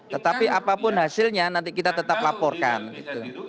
tetapi apapun hasilnya nanti kita tetap laporkan gitu